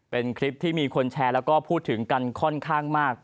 เป็นคลิปที่มีคนแชร์แล้วก็พูดถึงกันค่อนข้างมาก